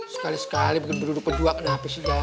sekali sekali bikin berurut urut penjual kenapa sih gan